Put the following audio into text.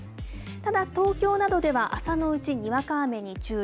ただ、東京などでは朝のうちにわか雨に注意。